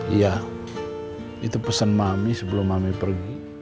iya itu pesan mami sebelum mami pergi